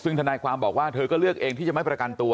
ซึ่งทนายความบอกว่าเธอก็เลือกเองที่จะไม่ประกันตัว